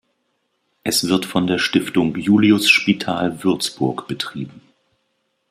Es wird von der Stiftung Juliusspital Würzburg betrieben.